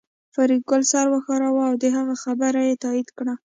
فریدګل سر وښوراوه او د هغه خبره یې تایید کړه